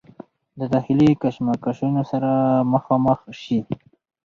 د داخلي کشمکشونو سره مخامخ شي